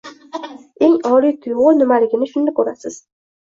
Eng oily tuyg’u nimaligini shunda ko’rasiz!